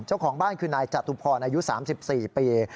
เจ้าของบ้านคือนายจตุพรอายุ๓๔ปี